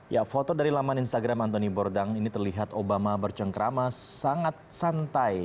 ya foto dari laman instagram antoni bordang ini terlihat obama bercengkrama sangat santai